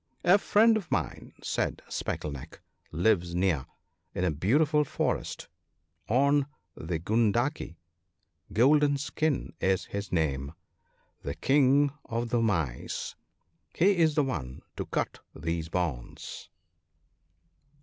'* A friend of mine/ said Speckle neck, ' lives near, in a beautiful forest on the Gundaki. Golden skin is his name — the King of the Mice ( 2l )— he is the one to cut these bonds."